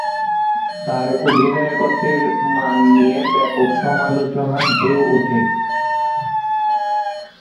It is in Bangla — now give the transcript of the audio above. তার অধিনায়কত্বের মান নিয়ে ব্যাপক সমালোচনার ঢেউ ওঠে।